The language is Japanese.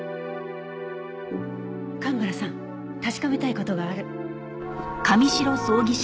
蒲原さん確かめたい事がある。